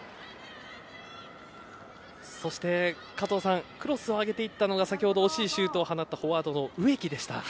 そして、加藤さんクロスを上げていったのが先ほど、惜しいシュートを放ったフォワードの植木でした。